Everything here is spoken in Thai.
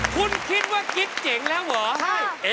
คุณคิดว่ากิ๊กเจ๋งแล้วเหรอ